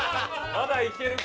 まだいけるか。